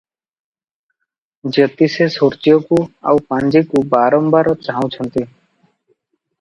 ଜ୍ୟୋତିଷେ ସୂର୍ଯ୍ୟକୁ ଆଉ ପାଞ୍ଜିକୁ ବାରମ୍ବାର ଚାହୁଁଛନ୍ତି ।